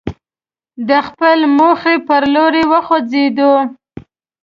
د خپلې موخې پر لوري وخوځېدو.